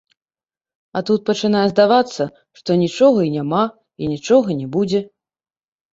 А тут пачынае здавацца, што нічога і няма, і нічога не будзе.